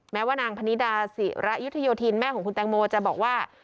ว่านางพนิดาศิระยุทธโยธินแม่ของคุณแตงโมจะบอกว่า